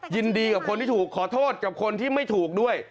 ยินดีกับคนที่ถูกขอโทษกับคนที่ไม่ถูกด้วย